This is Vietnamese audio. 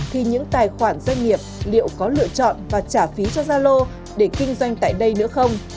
thì những tài khoản doanh nghiệp liệu có lựa chọn và trả phí cho gia lô để kinh doanh tại đây nữa không